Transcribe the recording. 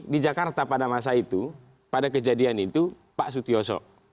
di jakarta pada masa itu pada kejadian itu pak sutioso